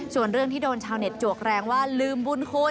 ส่วนเรื่องที่โดนชาวเน็ตจวกแรงว่าลืมบุญคุณ